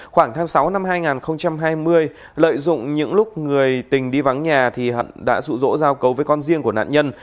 khoảng tháng sáu năm hai nghìn hai mươi lợi dụng những lúc người tình đi vắng nhà thì hận đã rụ rỗ giao cấu với con riêng của nạn nhân